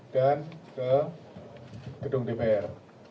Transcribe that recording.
dan ke gedung dpr